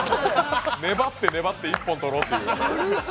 粘って粘って一本とろうという。